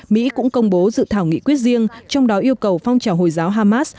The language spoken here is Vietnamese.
mỹ cũng công bố dự thảo nghị quyết riêng trong đó yêu cầu phong trào hồi giáo hamas